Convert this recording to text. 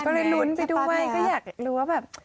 ก็เลยลุ้นไปด้วยก็อยากรู้ว่าแบบ